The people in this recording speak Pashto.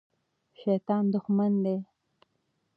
شیطان دښمن دی.